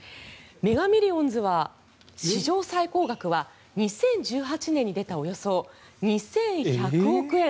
メガ・ミリオンズは史上最高額は２０１８年に出たおよそ２１００億円